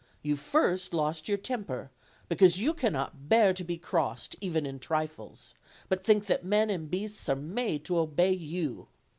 You first lost your temper, because you cannot bear to OLD, OLD FAIRY TALES. 32S be crossed, even in trifles, but think; that men and beasts are made to obey you.